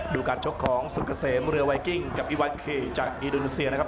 ดูการชกของสุกเกษมเรือไวกิ้งกับอีวันเคจากอินโดนีเซียนะครับ